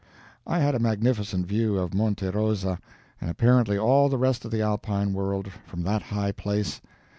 I had a magnificent view of Monte Rosa, and apparently all the rest of the Alpine world, from that high place.